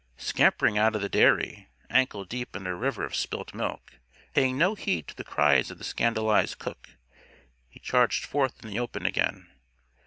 Scampering out of the dairy, ankle deep in a river of spilt milk, and paying no heed to the cries of the scandalized cook, he charged forth in the open again.